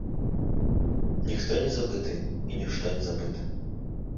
Ніхто не забыты і нішто не забыта.